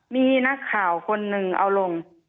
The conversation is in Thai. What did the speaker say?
มีนักข่าวคนหนึ่งเอาลง